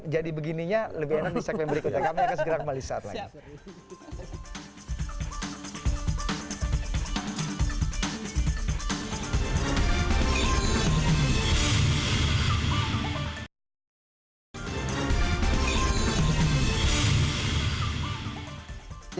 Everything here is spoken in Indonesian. jadi begininya lebih enak di segmen berikutnya kami akan segera kembali saat lain